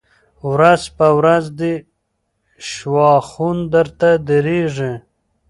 ورځ په ورځ دي شواخون درته ډېرېږی